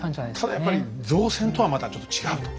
ただやっぱり造船とはまたちょっと違うと。